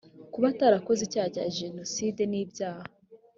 kuba atarakoze icyaha cya genocide n ibyaha